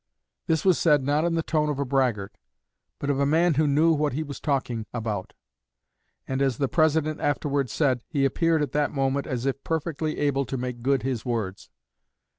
This was said, not in the tone of a braggart, but of a man who knew what he was talking about; and, as the President afterward said, he appeared at that moment as if perfectly able to make good his words.